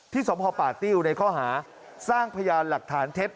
สมภาป่าติ้วในข้อหาสร้างพยานหลักฐานเท็จ